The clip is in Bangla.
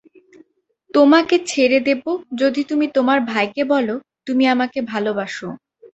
তোমাকে ছেড়ে দেবো যদি তুমি তোমার ভাইকে বলো তুমি আমাকে ভালোবাসো।